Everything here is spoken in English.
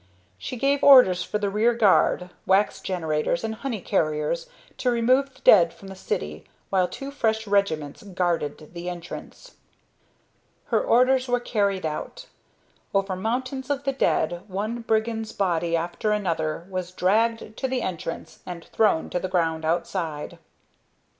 She gave orders for the rear guard, wax generators, and honey carriers to remove the dead from the city while two fresh regiments guarded the entrance. Her orders were carried out. Over mountains of the dead one brigand's body after another was dragged to the entrance and thrown to the ground outside.